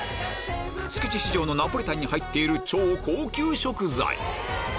築地市場のナポリタンに入っている超高級食材！